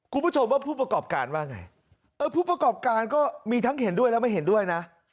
คุณผู้ชมว่าผู้ประกอบการว่าไงเออผู้ประกอบการก็มีทั้งเห็นด้วยและไม่เห็นด้วยนะ